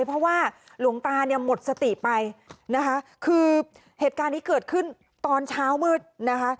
เพราะว่าหลวงตาเนี่ยหมดสติไปนะคะคือเหตุการณ์นี้เกิดขึ้นตอนเช้ามืดนะคะ